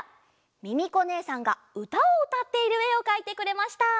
ミミコねえさんがうたをうたっているえをかいてくれました。